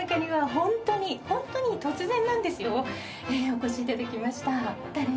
お越しいただきました。